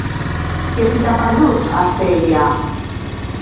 Què se t'hi ha perdut, a Sella?